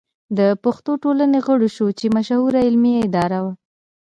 د پښتو ټولنې غړی شو چې مشهوره علمي اداره وه.